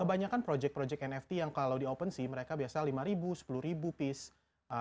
kebanyakan project project nft yang kalau di opensea mereka biasanya lima sepuluh piece